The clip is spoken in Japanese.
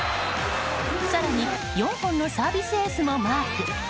更に、４本のサービスエースもマーク。